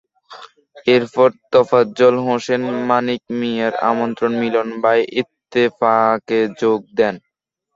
এরপর তফাজ্জল হোসেন মানিক মিয়ার আমন্ত্রণে মিলন ভাই ইত্তেফাকে যোগ দেন।